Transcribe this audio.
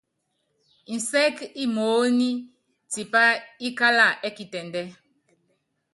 Nsɛɛ́k imoóní tipá ikála ɛ́ kitɛndɛ́.